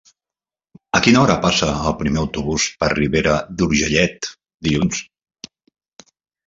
A quina hora passa el primer autobús per Ribera d'Urgellet dilluns?